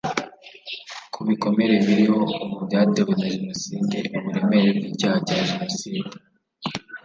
ku bikomere biriho ubu byatewe na Jenoside uburemere bw icyaha cya Jenoside